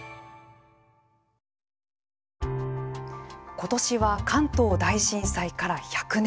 今年は関東大震災から１００年。